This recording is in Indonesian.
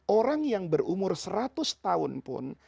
orang yang berumur seratus tahun pun